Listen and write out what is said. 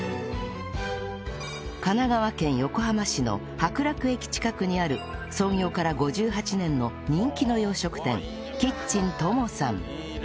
神奈川県横浜市の白楽駅近くにある創業から５８年の人気の洋食店キッチン友さん